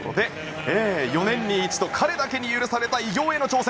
４年に一度彼だけに許された偉業への挑戦。